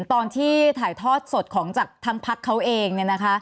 ตอนที่ถ่ายทอดสดของจากทางพักเขาเอง